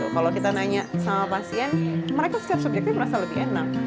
kalau kita nanya sama pasien mereka secara subjektif merasa lebih enak